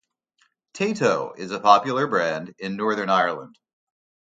Tayto is a popular brand in Northern Ireland.